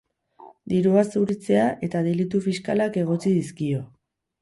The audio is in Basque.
Dirua zuritzea eta delitu fiskalak egotzi dizkio.